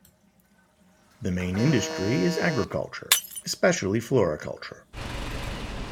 The main industry is agriculture, especially floriculture.